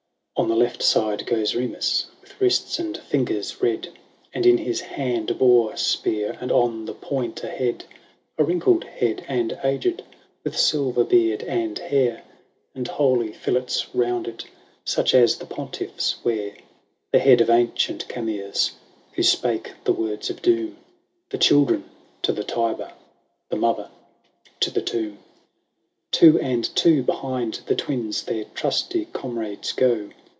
VIII. On the left side goes Remus, With wrists and fingers red, And in his hand a boar spear. And on the point a head — A wrinkled head and aged. With silver beard and hair. And holy fillets round it. Such as the pontiffs wear — The head of ancient Gamers, Who spake the words of doom :" The children to the Tiber ; The mother to the tomb." IX. Two and two behind the twins Their trusty comrades go.